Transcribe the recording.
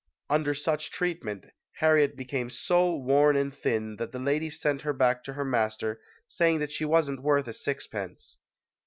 Under such treatment, Harriet became so worn and thin that the lady sent her back to her master saying that she wasn't worth a six pence.